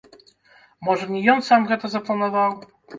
Можа, не ён сам гэта запланаваў.